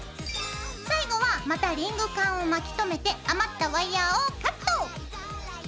最後はまたリングカンを巻きとめて余ったワイヤーをカット！